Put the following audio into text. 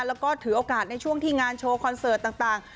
แล้วก็ถือโอกาสในช่วงที่งานโชว์คอนเสิร์ตต่าง